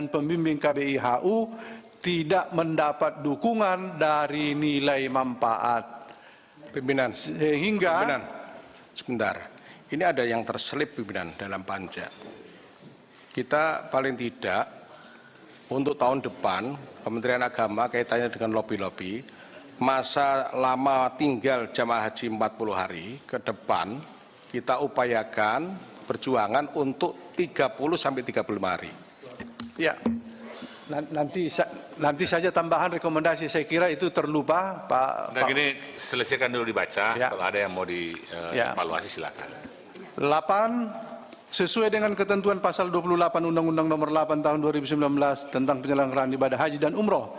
sesuai dengan ketentuan pasal dua puluh delapan undang undang nomor delapan tahun dua ribu sembilan belas tentang penyelenggaran ibadah haji dan umroh